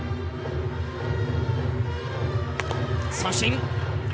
三振。